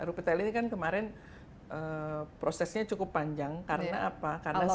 rupitel ini kan kemarin prosesnya cukup panjang karena apa